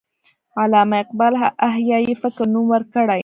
علامه اقبال احیای فکر نوم ورکړی.